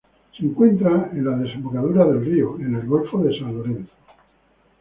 Se encuentra en la desembocadura del río, en el Golfo de San Lorenzo.